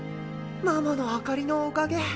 ママの明かりのおかげ。